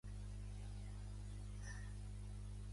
Hi ha molts temples, mesquites, esglésies i gurudwaras.